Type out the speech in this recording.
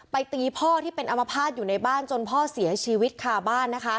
ตีพ่อที่เป็นอมภาษณ์อยู่ในบ้านจนพ่อเสียชีวิตคาบ้านนะคะ